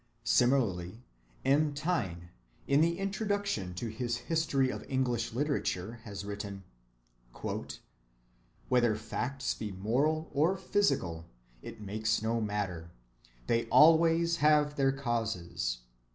Similarly M. Taine, in the introduction to his history of English literature, has written: "Whether facts be moral or physical, it makes no matter. They always have their causes.